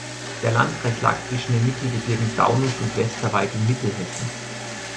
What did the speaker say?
Der Landkreis lag zwischen den Mittelgebirgen Taunus und Westerwald in Mittelhessen.